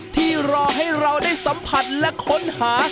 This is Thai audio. ที่รอให้เราได้สัมผัสและค้นหา